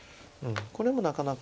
これもなかなか。